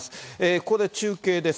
ここで中継です。